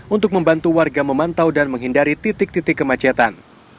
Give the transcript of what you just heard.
untuk membantu warga memantau dan menghindari titik titik kemacetan